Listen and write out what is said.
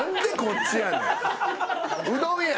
うどんや！